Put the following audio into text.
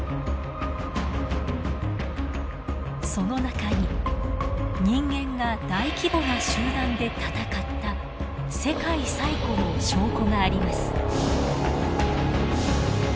その中に人間が大規模な集団で戦った世界最古の証拠があります。